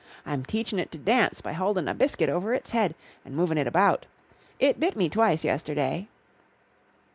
I'm teachin' it to dance by holdin' a biscuit over its head and movin' it about. It bit me twice yesterday."